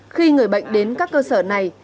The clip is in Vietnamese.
khi người bệnh đến các cơ sở này